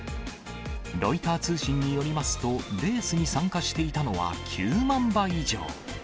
ロイター通信によりますと、レースに参加していたのは９万羽以上。